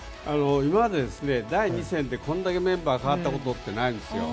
今まで第２戦でこれだけメンバーが代わったことってないですよ。